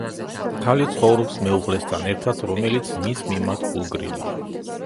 ქალი ცხოვრობს მეუღლესთან ერთად, რომელიც მის მიმართ გულგრილია.